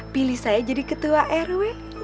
pilih saya jadi ketua rw